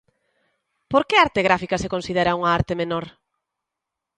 Por que arte gráfica se considera unha arte menor?